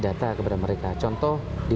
data kepada mereka contoh di